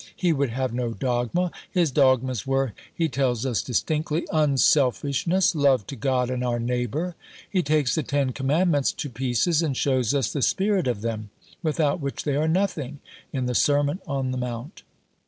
He would have no dogma. His Dogmas were, He tells us distinctly, Unselfishness, Love to God and our neighbour. He takes the Ten Commandments to pieces and shows us the spirit of them (without which they are nothing) in the Sermon on the Mount.